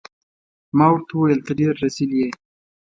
ما ورته وویل: ته ډیر رزیل يې.